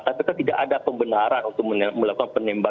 tapi kan tidak ada pembenaran untuk melakukan penembakan